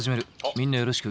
みんなよろしく。